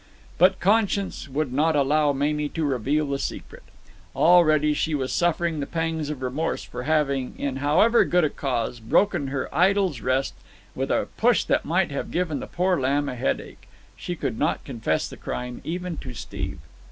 But conscience would not allow Mamie to reveal the secret. Already she was suffering the pangs of remorse for having, in however good a cause, broken her idol's rest with a push that might have given the poor lamb a headache. She could not confess the crime even to Steve.